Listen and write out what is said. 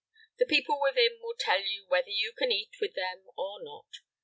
The people within will tell you whether you can eat with them or not.